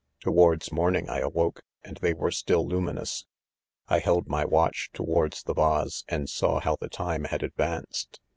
Towards morning I awoke, and they were still luminous. I held my watch towards the vase, 'and saw how the time had advanced.